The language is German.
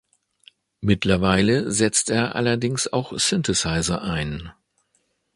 Mittlerweile setzt er allerdings auch Synthesizer ein.